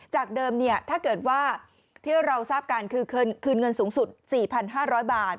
จากเดิมถ้าเกิดว่าที่เราทราบกันคือคืนเงินสูงสุด๔๕๐๐บาท